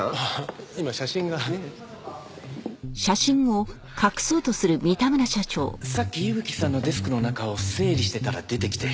実はさっき伊吹さんのデスクの中を整理してたら出てきて。